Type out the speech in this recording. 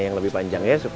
aduh aduh aduh